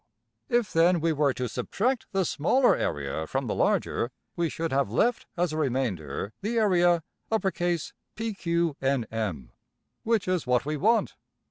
If then we were to subtract the smaller area from the larger, we should have left as a remainder the area $PQNM$, which is what we want.